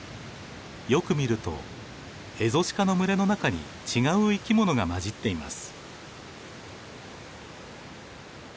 よく見るとエゾシカの群れの中に違う生き物が交じっています。